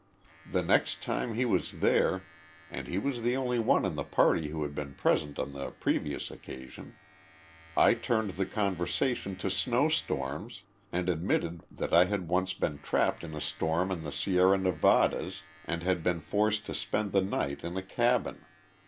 The next time he was there and he was the only one in the party who had been present on the previous occasion I turned the conversation to snowstorms and admitted that I had once been trapped in a storm in the Sierra Nevadas and had been forced to spend the night in a cabin.